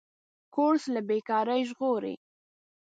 کورس له بېکارۍ ژغوري.